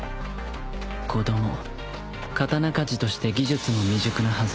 子供刀鍛治として技術も未熟なはず